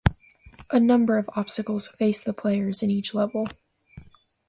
A number of obstacles face the players in each level.